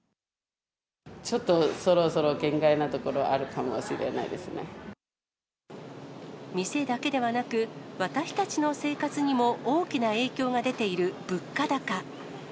ちょっとそろそろ限界なとこ店だけではなく、私たちの生活にも大きな影響が出ている物価高。